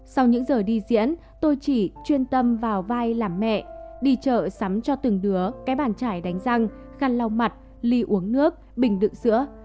sau những giờ đi diễn tôi chỉ chuyên tâm vào vai làm mẹ đi chợ sắm cho từng đứa cái bàn trải đánh răng khăn lau mặt ly uống nước bình đựng sữa